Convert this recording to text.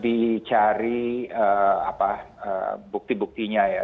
dicari bukti buktinya ya